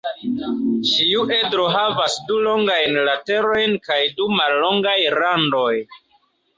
Ĉiu edro havas du longajn laterojn kaj du mallongaj randoj.